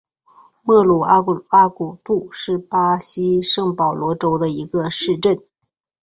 莫鲁阿古杜是巴西圣保罗州的一个市镇。